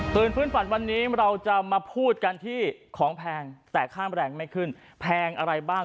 ืนพื้นฝันวันนี้เราจะมาพูดกันที่ของแพงแต่ค่าแรงไม่ขึ้นแพงอะไรบ้าง